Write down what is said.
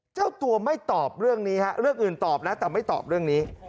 เจ้าตัวไม่ตอบเรื่องนี้ฮะเรื่องอื่นตอบแล้วแต่ไม่ตอบเรื่องนี้